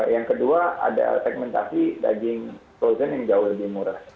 yang kedua ada segmentasi daging frozen yang jauh lebih murah